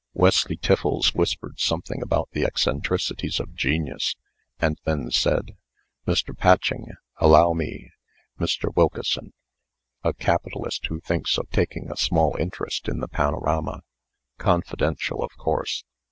Wesley Tiffles whispered something about the eccentricities of genius, and then said: "Mr. Patching. Allow me. Mr. Wilkeson. A capitalist, who thinks of taking a small interest in the panorama. Confidential, of course."